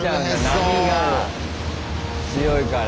波が強いから。